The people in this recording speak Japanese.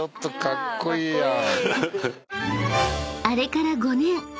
［あれから５年。